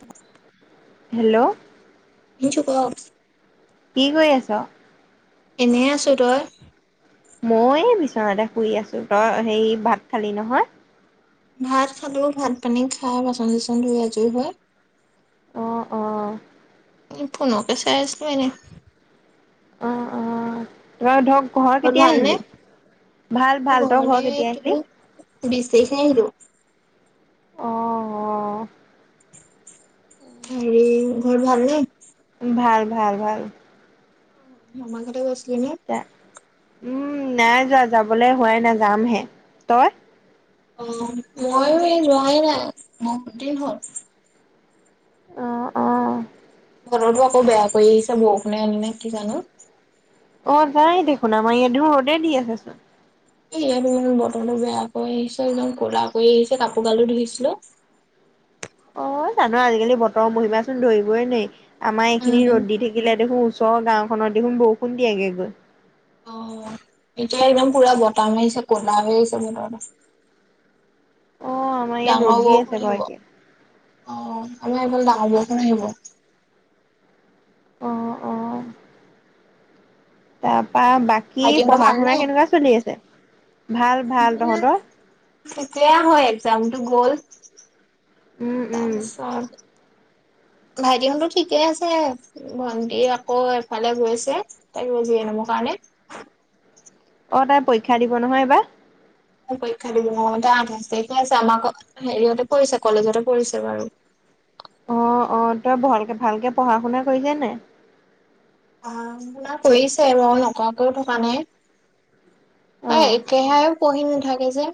আছে হেল্ল'? শুনিছো কওক। কি কৰি আছ? এনে আছো, তই? মই বিচনাতে শুই আছো তই সেই ভাত খালি নহয়? ভাত খালো ভাত পানী খাই বাচন চচন ধুই আজৰি হয় অ' অ। ফোন কে চাই আছো নেই অ অ ধৰা, ধক ঘৰ ঘৰত কেতিয়া ভালনে আহিলি? ভাল ভাল তই ঘৰ কেতিয়া আহিলি? বিশছ তাৰিখে আহিলো । আহ আহ। হেৰি ঘৰ ভালনে? ভাল ভাল ভাল। মামাৰ ঘৰলে গৈ কিনে উম নাই যোৱা যাবলৈ হোৱাই নাই যামহে, তই? অ ময়ো এই যোৱাই নাই বহুত দিন হ'ল। আহ আহ। ঘৰতো আকৌ বেয়া কৰি আহিছা বৰষুণে আনে নে কি জানো? অ যাই দেখোন আমাৰ ইয়াত দেখোন ৰদে দি আছে চোন। এ ইয়াত ইমান বতৰটো বেয়া কৰি আহিছে, ইমান কলা কৰি আহিছে, কাপোৰ গালো ধুইছিলো। অ জানো আজিকালি বতৰৰ মহিমাচোন ধৰিবই নোৱাৰি। আমাৰ এইখিনি উম ৰ'দ দি থাকিলে দেখোন ওচৰৰ গাওখনত দেখোন বৰষুণ দিয়গে গৈ অ এতিয়া একদম পুৰা বটামাৰিছে কলা কৰি আহিছে বতৰটো অ আমাৰ ইয়াত ৰ'দ দি আছে বাৰু এতিয়া। অ আমাৰ এইফাল ডাঙৰ বৰষুণ আহিব। অ অ। তাৰ পৰা বাকী পঢ়া শুনা কেনেকুৱা চলি আছে? ভাল ভাল তহঁতৰ? তেতিয়া হয় একজামটো গ'ল। উম, উম। তাৰপিছত ভাইটিহতো ঠিকেই আছে, ভন্টি আকৌ এফালে গৈছে তা কিবা জি এন এম ৰ কাৰণে অ তাই পৰীক্ষা দিব নহয় এবাৰ? পৰীক্ষা দিব অ তাৰ আঠ আছে, কি আছে আমাৰ হেৰিয়তে পৰিছে, কলেজতে পৰিছে বাৰু। আহ আহ, তই ভালক ভালকে পঢ়া শুনা কৰিছে নে নাই? পঢা-শুনা কৰিছে বাৰ নকৰাকেও থকা নাই অ একেহে পঢ়িম। থাকে যে।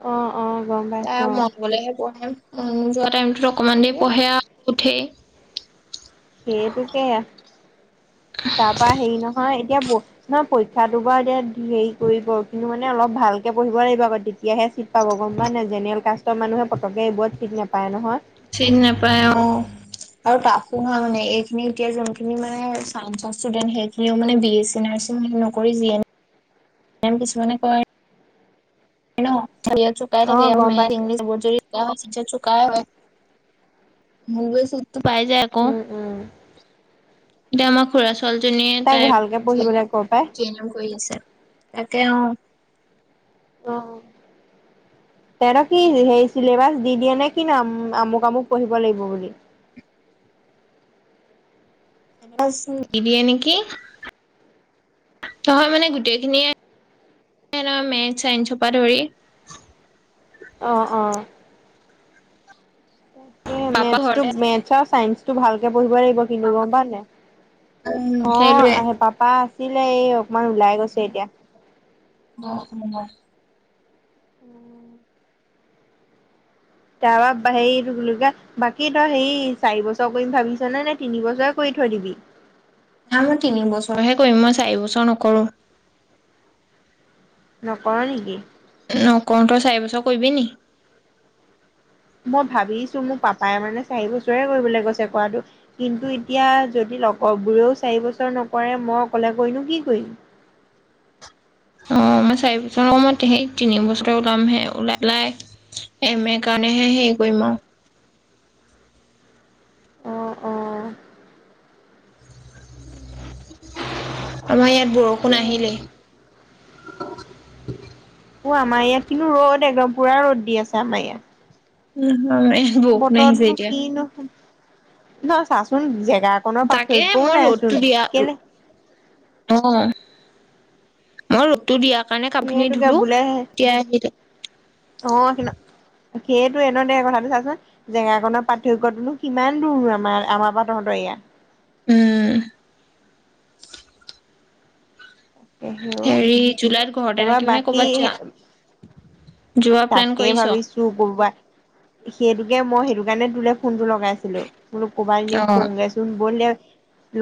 অ। অ', গম পাইছো তাইৰ অ'। মন গলেহে পঢ়ে। উম, যোৱা টাইমটো তক অকণমান দেৰি সেই পঢ়ে আৰু উঠেই। সেইটোকে, তাপা হেই নহয়, এতিয়া মই পৰীক্ষা দুবাৰ দিয়াত সেই কৰিবও, কিন্তু অলপ ভালকে পঢ়িব লাগিব আকৌ তেতিয়াহে চিট পাব গম পাৱ নাই, জেনেৰেল কাষ্টৰ মানুহে পটকে এইবোৰত চিট নেপায় নহয়। চিত নাপায় অ, আৰু তা তো হা মানে, এইখিনি এতিয়া যোনখিনি মানে চায়েন্সৰ ষ্টুডেন্ট, সেইখিনিও মানে বিএছি নাৰ্চিং নকৰি জি এন এম কিছুমানে কয়। হেল্লো। চুকাই থাকে অ', আৰু গম মে, পাইছো। ইংলিছ ব যদি শিকা হই জ চোকাই হয়। [inaudible] তো পাই যায় আকৌ। উম, উম। এতিয়া আমাৰ খূৰা ছো ছোৱালী জনীয়ে, তাইক তাই ভালকে জি এন পঢ়িবলৈ এম, ক পাই। জি এন এম কৰি আছে। তাকে অ। অ, তেহেতৰ কি হেই চিলেবাচ দি দিয়ে নে কি নো আমুক আমুক পঢ়িব লাগিব বুলি? চিলেবাচ নিদিয়ে নেকি। নহয় মানে গোটেইখিনিয়ে [inaudible] মেথছ চাইন্সৰ পৰা ধৰি। অঁ অঁ। [inaudible] এ পাপা মেথছ্ ঘৰতে টোক, আছে নে মেথছ্ আৰু চায়েন্স। টো ভালকে পঢ়িব লাগিব কিন্তু, গম পাৱ নাই? উম অহ, সেইটোৱে আহে পাপা আ ছিলে। এই অকমান ওলাই গৈছে এতিয়া। [unintelligible] [inaudible] তাৰপা হেই এইটো কি বুলি কয়, বাকী তই সেই চাৰি বছৰ কৰিম ভাবিছ নে, নে তিনি বছৰে কৰি থৈ দিবি? তিনিবছৰহে কৰিম, মই চাৰিবছৰ নকৰোঁ। নকৰ নেকি? কৰোঁ। তই চাৰি বছৰ কৰিবি নিকি? মই ভাবিছো, মোৰ পাপাই মানে চাৰি বছৰে কৰিবলে কৈছে কোৱাটো, কিন্তু এতিয়া যদি লগবোৰেও চাৰি বছৰ নকৰে মই অকলে কৰিনো কি কৰিম? অ মই চাৰি বছৰ, অ ম‌ই সেই তিনি বছতে ওলামহে, ওলাই পেলাই এম এ কাৰণেহে হেই কৰিম আউ। অ অ। [unintelligible] আমাৰ ইয়াত বৰষুণ তাকেহে আহিলেই। [inaudible] অ আমাৰ ইয়াত কিন্তু ৰ'দ একদম, পুৰা ৰ'দ দি আছে আমাৰ ইয়াত। উম হু। অ, এহ বৰষুণ আহিছে এতিয়া। ন চাচোন, যিহে গা কনৰ তাকে পাৰ্থক্যও মই ৰ'দটো নাইচোন। দিয়া কেলে অ মই ৰতটো দিয়া সেটোকে বোলেহে অ সনা [unintelligible] সেইয়েতটো এনে দে কথাটো চাচোন জেগাখনৰ পাৰ্থক্্যটোনো কিমান দূৰ আমাৰ আমাৰ পৰা তহঁতৰ ইয়া [unintelligible] উম তাকেহে অ হেৰি জুলাইত ঘৰতে তাৰপৰা থাকিবি নে বাকী কৰ'বাত যা যোৱা প্লেন তাকে কৰিছ ভাবিছো কৰবাত সেইটো তাকে মই সেইটো কাৰণে তোলে ফোনটো লগাইছিলো ম কোবাই অ ফোন গৈছ বলে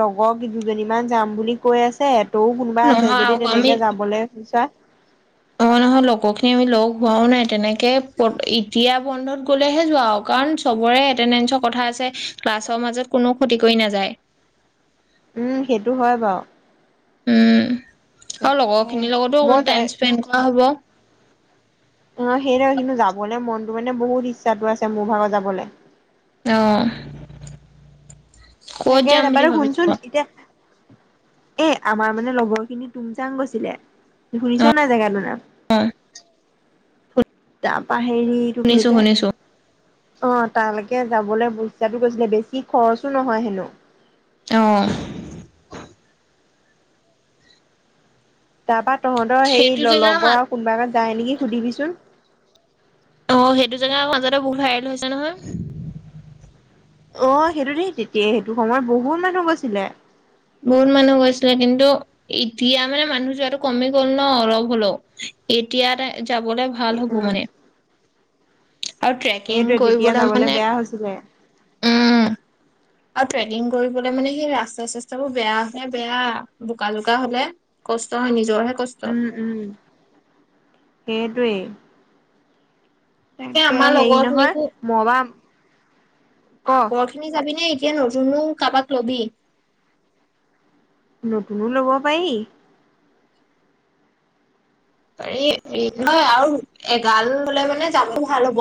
লগ [unintelligible] আক দুজনীমান যাম বুলি কৈ আছে তৌ কোনোবা আছে নহয় যদি তেনেকে যাবলে ইচ্ছা [unintelligible] নহ নহয় লগৰখিনি আমি লগ হোৱাও নাই তেনেকে এতিয়া বন্ধত গলেহে যোৱা কাৰণৰেেডেৰ কথা আছে ক্লাছৰ মাজত কোন কতি কৰি নাযায় [unintelligible] উম সেইটো হয় বাৰু উম আৰু তাকে লগৰখিনিৰ লগতো বৰ অকমান টাইম স্পেণ্ড কৰা হ'ব অ সেইট কিন্তু যাবলৈ মনতটো মানে বহুত ইচ্ছাটো আছে মোৰ ভাগত যাবলৈ [unintelligible] আহ তাকে এবাৰ শুনচোন এতিয়া এ আমাৰ মানে লগৰ খিনি তুমচাং গৈছিলে ঘুৰিছ নাই জেগাটোনা [unintelligible] তা পা [unintelligible] হেৰি শুনিছো গকে শুনিছো [unintelligible] অ তালৈকে যাবলৈ পচ্ছাটো গৈছিলে বেছি খৰচো নহয় [unintelligible] [inaudible] অ [unintelligible] তাৰপা তহঁতৰ সেই সেইটো জেগাৰ মা লগৰ আৰু কোনোবা এগাত যায় নেকি সুধিবিচোন [unintelligible] অ সেইটো জেগাৰ মাজতে বহুত ভাইল হৈছে নহয় অ সেইটো দেই তেতিয়া সেইটো সময়ত বহুত মানুহ গৈছিলে বহুত মানুহ গৈছিলে কিন্তু এতিয়া মানে মানুহ যোৱাটো কমি গ'ল ন অলপ হলেও এতিয়া [unintelligible] যাবলৈ ভাল হ'ব মানে সেইটোৱে আৰু ট্ৰেকিং তেতিয়া কৰিবলৈ যাবলৈ মানে বেয়া হৈছিলে। উম আৰু ট্ৰেকিং কৰিবলে মানে সেই ৰাস্তা চাস্তাবোৰ বেয়া হয় বেয়া বোকা জোকা হলে কষ্ট হয় নিজৰহে [unintelligible] উম উম সেই কেই তাকে আমাৰ লগৰ নহয় খিনিকো মই বা ক আগৰ খিনি যাবি নে কান নু কাবাক লবি নতুনো ল'ব পাৰি নয় আৰু এগাললে মানে যাবো ভাল হ'ব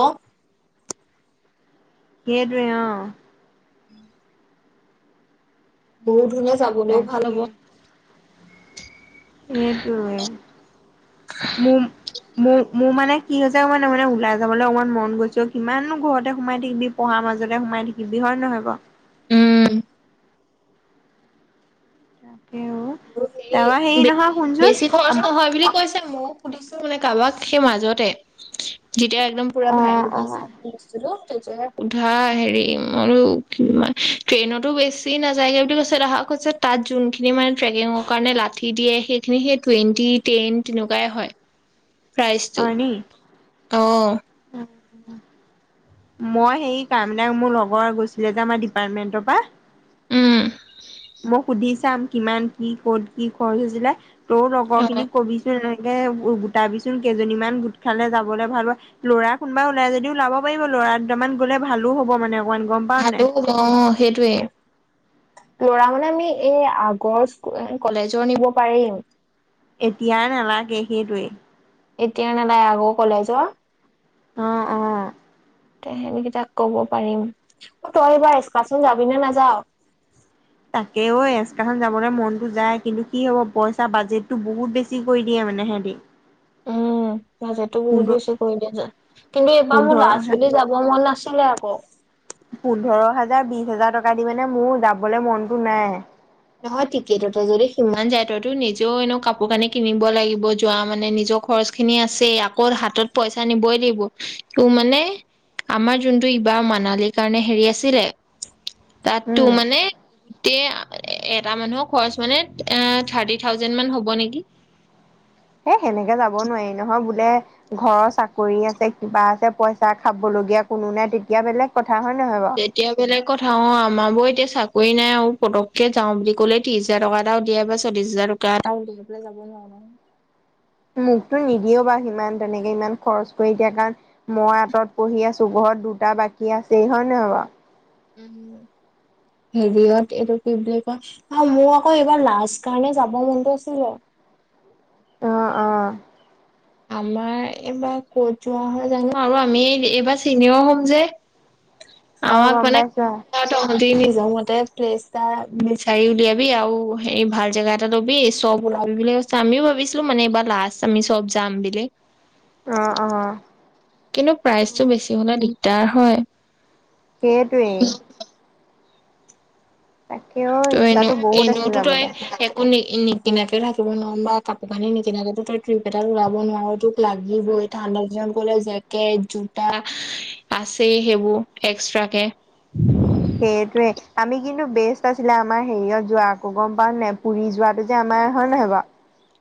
সেইটোৱে অঁ [unintelligible] ব এনেই যাবলো ভাল হব। তাকে এইটোয়ে মোৰ মানে কি হৈছে অ মানে ওলাই যাবলৈ অকমান মন গৈছে। কিমানো ঘৰতে সোমাই থাকিবি পঢ়াৰ মাজতে সোমাই থাকিবি হয় নহয়। বাও উম তাকে আৰু অ তাৰপৰা হেৰি বেছি নহয় বেছি খৰচ শুনচোন নহয় বুলি কৈছে মোক। সুধিছো মানে কাৰোবাক সেই মাজতে যেতিয়া একদম পুৰা ভাইৰেল অ', হৈ অ', আছিলে বস্তুটো পিধা হেৰি ম ট্ৰেইনতো বেছি নাযায়গে বুলি কৈছে দেহা কৈছে তাত যোনখিনি মানে ট্ৰেকিঙৰ কাৰণে ল ঠি দিয়ে সেইখিনি সেই টুৱন্টি টেন তেনেকুৱাই হয় হয় নি? প্ৰাইজটো অঁ মই হে কামদাং মোৰ লগৰ গৈছিলে যে আমাৰ ডিপাৰ্টমেন্টৰ পৰা উম মই সুধি চাম কিমান কি ক'ত কি খৰচ হৈছিলে। তৌ লগৰ খিনি অ কবিচোন ন গোটাবিচোন কেইজনীমান গোট খালে যাবলৈ ভাল হয় ল'ৰা কোনোবা ওলাই যদি ওলাব পাৰিব ল'ৰা দুটামান গ'লে ভালো হ'ব মানে। অকমান গম পাৱ ভাল নাই? অ সেইটোৱে লৰা মানে আমি এই আগৰ কলেজৰ নিব পাৰিম এতিয়াই নালাগে সেইটোৱে। এতিয়া ন নাই আকৌ কলেজৰ অ অ সেই কেইটাক কব পাৰিম অ তই এইবাৰ একাচন যাবি নে নাযাও তাকেও এচকাখনন যাবলৈ মনতটো যায় কিন্তু কি হ'ব পইচা বাজেটটো বহুত বেছি কৰি দিয়ে মানে সিহতি উম এহেজাৰটো বহুত বেছি কৰি দিয় য কিন্তু এইবাৰ মোৰ লাজ পোন্ধৰ বুলি যাব মন নাছিলে আৰু অ পোন্ধৰ হাজাৰ বিশ হাজাৰ টকা দি মানে মোৰ যাবলৈ মনতটো নাই নহয় থিকে তই যদি সিমান যায় তইতো নিজেও এনে কাপোৰ কানি কিনিব লাগিব যোৱা মানে নিজৰ খৰচ খিনি আছে আকৌ হাতত পইচা নিবই লাগিব ত মানে আমাৰ যোনটো ইবাৰ মানালিৰ কাৰণে হেৰি আছিলে তাত তো উম মানে তে এটা মানুহৰ খৰচ মানে এ থাৰ্টি থাউজেণ্ড মান হ'ব নেকি। হেই সেনেকে যাব নোৱাৰি নহয় বোলে ঘৰৰ চাকৰি আছে কিবা আছে পইচা খাব লগীয়া কোনো নাই তেতিয়া বেলেগ কথা। হয় নহয় বাৰু তেতিয়া বেলেগ কথা অ আমাৰ ব এতিয়া চাকৰি নাই আৰু পতককে যাওঁ বুলি কলে ত্ৰিশ হাজাৰ টকা এটাও দিয়াই বা চল্লিশ হাজাৰ টকা এটা মোকতো নিদিয়েও বাৰু সিমান তেনেকে ইমান খৰচ কৰি দিয়া কাৰণ মই আঁতত পঢ়ি আছো ঘৰত দুটা বাকী আছেই হয় নহয় বাৰু হেৰিয়ত এইটো কি বুলি কয় অ মোৰ আকৌ এইবাৰ লাষ্ট কাৰণে যাব মনটো আছিলে। আহ আহ আমাৰ এইবাৰ কত যোৱা হয় জানো আৰু আমি এইবাৰ চিনিয়ৰ হ'ম যে। অহ গম পাইছা তহতি নিজৰ মতে প্লেছ এটা বিচাৰি উলিয়াবি, আৰু হে ভাল জেগা এটা ল'বি চব ওলাবি বুলি কৈছে, আমিও ভাবিছিলো মানে এইবাৰ লাষ্ট আমি চব যাম বুলি অ অ কিন্তু প্ৰাইজ টো বেছি হলে দিগদাৰ দিগদাৰ হয় সেইটোৱেই তাকেও ত এনে ইচ্ছাতো বহুত আছে এনেতো তোই যাবলৈ একো নি এ নিকিনাকে থাকিব নোৱাৰো বা কাপোৰ কানি নিকিনাকেতো তই ট্ৰিপ এটা ওলাব নোৱাৰো তো লাগিবই ঠাণ্ডা দিনত নিবলেজেকেট জোতা আছে সেইবোৰ এক্সট্ৰা কে সেইটোয়ে, আমি কিন্তু বেষ্ট আছিলে আমাৰ হেৰিয়ত যোৱা আকৌ গম পাওঁ নাই পুৰি যোৱাটো যে আমাৰ হয় নহয় বাৰু।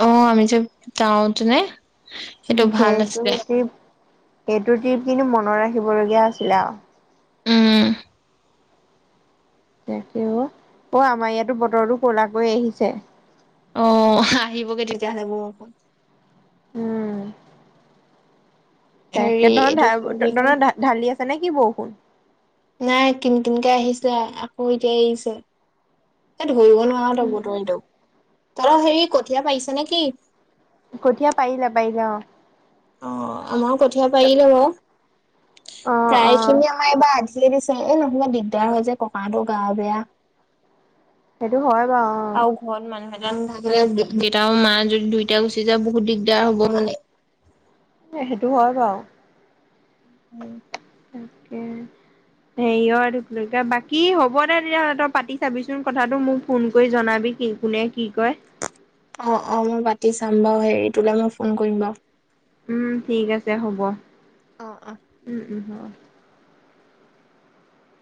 অ আমি যে যাওঁ তেনে সেইটো ট্ৰিপ সেইটো ট্ৰিপ কিন্তু মনত ৰাখি ৰাখিব লগীয়া আছিলে আও উম তাকে অ আমাৰ ইয়াতো বতৰো কলা কৰি আহিছে। অ আহিবগে তেতিয়াহ'লে বৰষুণ। উম হেৰি তাকে ত এইটো কি ত বুলি কয় ত ঢালি আছে তে নেকি বৰষুনৰ নাই কিন কিনকে আহিছে আকৌ এতিয়া এৰিছে। ধৰিব নোৱাৰি তো বতৰটোক তৰ হেৰি কঠীয়া পাইছে নে কি? কঠীয়া পাৰিলে পাৰিলে অ অ আমাৰো কঠিয়া পাৰিলে বাৰু, অ অ প্ৰায় খিনিয়ে আমাৰ এইবাৰ আধি দি দিছেএ নহাৰ দিগদাৰ হয় যে ককটো গা বেয়া সেইটো হয় বাৰু আহ দেতা নাথাকিলে আৰু মা যদি দুইটা গুচি যায় বহুত দিগদাৰ হব মানে সেইটো হয় বাৰু উম তাকে, হেৰিয় বাকী হ'ব দে তেতিয়া তই পাতি চাবিচোন কথাটো মোক ফোন কৰি জনাবি কি কোনে কি কয় অ অ মই পাতি চাম বাৰু হেৰি তোলৈ মই ফোন কৰিম বাৰু। উম ঠিক আছে হব। অ অ উ হ